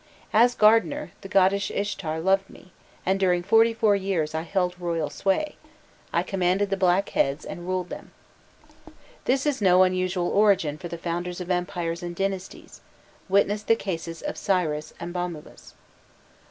As gardener, the goddess Ishtar loved me, and during forty four years I held royal sway; I commanded the Black Heads,* and ruled them." This is no unusual origin for the founders of empires and dynasties; witness the cases of Cyrus and Bomulus.